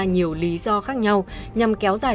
nhiều lý do khác nhau nhằm kéo dài